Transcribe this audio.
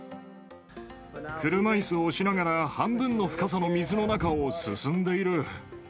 車いすを押しながら、半分の深さの水の中を、進んでいる。